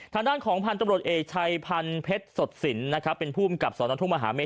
ทางด้านของพันธุ์ตรงรถเอกชัยพันธุ์เพชรสดสินเป็นผู้อำกับสนมหาเมตร